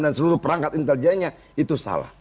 dan seluruh perangkat intelijennya itu salah